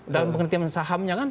dalam pengertian sahamnya kan